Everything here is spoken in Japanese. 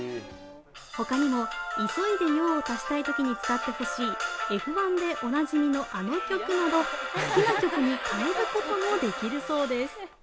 他にも急いで用を足したいときに使ってほしいＦ１でおなじみの、あの曲など好きな曲に変えることもできるそうです。